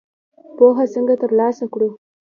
پوهه څنګه تر لاسه کړو؟